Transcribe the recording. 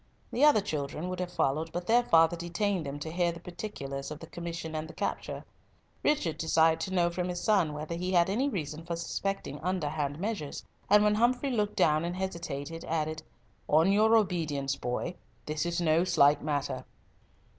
The other children would have followed, but their father detained them to hear the particulars of the commission and the capture. Richard desired to know from his son whether he had any reason for suspecting underhand measures; and when Humfrey looked down and hesitated, added, "On your obedience, boy; this is no slight matter."